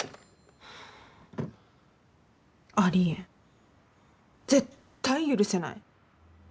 ありえん絶対許せない。